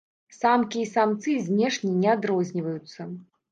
Самкі і самцы знешне не адрозніваюцца.